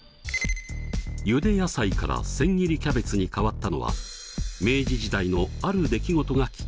ゆで野菜から千切りキャベツに変わったのは明治時代のある出来事がきっかけでした。